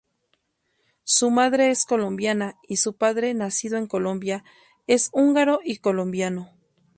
Su madre es colombiana y su padre, nacido en Colombia, es húngaro y colombiano.